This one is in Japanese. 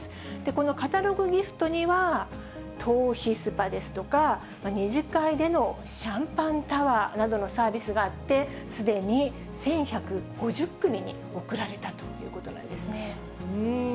このカタログギフトには、頭皮スパですとか、二次会でのシャンパンタワーなどのサービスがあって、すでに１１５０組に贈られたということなんですね。